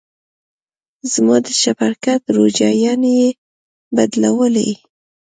زما د چپرکټ روجايانې يې بدلولې.